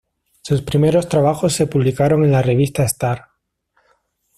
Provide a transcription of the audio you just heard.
Sus primeros trabajos se publicaron en la revista "Star".